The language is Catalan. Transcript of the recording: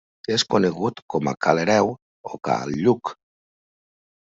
És conegut com a ca l'Hereu o cal Lluc.